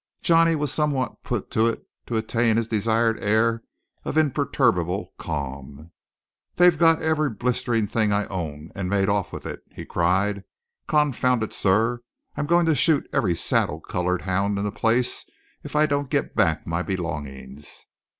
Johnny was somewhat put to it to attain his desired air of imperturbable calm. "They've got every blistered thing I own, and made off with it!" he cried. "Confound it, sir, I'm going to shoot every saddle coloured hound in the place if I don't get back my belongings!"